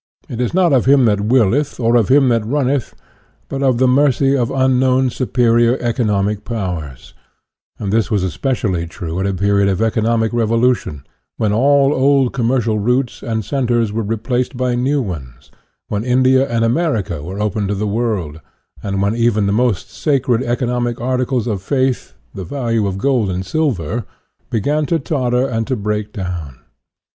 It is not of him that willeth or of him that runneth, but of the mercy of unknown superior economic powers; and this was especially true at a period of economic rev olution, when all old commercial routes and cen ters were replaced by new ones, when India and INTRODUCTION 2? America were opened to the world, and when even the most sacred economic articles of faith the value of gold and silver began to totter and to break down.